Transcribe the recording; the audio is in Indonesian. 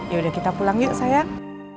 yaudah kita pulang yuk sayang